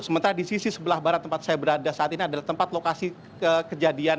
sementara di sisi sebelah barat tempat saya berada saat ini adalah tempat lokasi kejadian